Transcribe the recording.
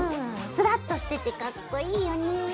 スラッとしててかっこいいよね。